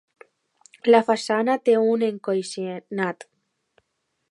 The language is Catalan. La façana té un encoixinat.